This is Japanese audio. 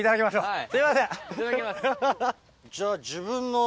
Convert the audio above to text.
はい。